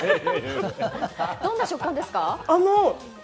どんな食感ですか？